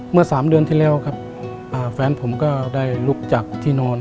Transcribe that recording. เมื่อ๓เดือนที่แล้วครับแฟนผมก็ได้ลุกจากที่นอน